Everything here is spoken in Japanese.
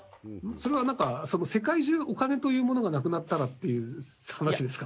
それは何か世界中お金というものがなくなったらっていう話ですか？